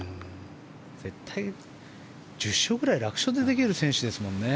絶対に１０勝ぐらい楽勝でできる選手ですもんね。